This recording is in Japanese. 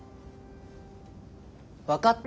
分かった？